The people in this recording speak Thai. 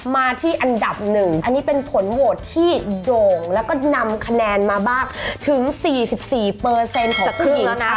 มาที่อันดับหนึ่งอันนี้เป็นผลโหวตที่โด่งแล้วก็นำคะแนนมาบ้างถึง๔๔ของครึ่งแล้วนะ